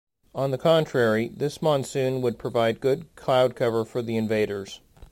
On the contrary, this monsoon would provide good cloud cover for the invaders.